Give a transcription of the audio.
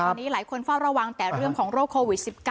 ตอนนี้หลายคนเฝ้าระวังแต่เรื่องของโรคโควิด๑๙